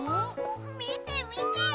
みてみて！